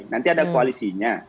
nanti ada koalisinya